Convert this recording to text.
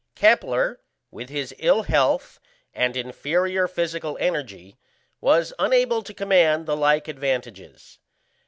Kepler, with his ill health and inferior physical energy, was unable to command the like advantages.